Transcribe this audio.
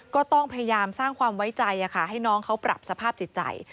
ก็ต้องพยายามสร้างความไว้ใจให้น้องเขาปรับสภาพจิตใจ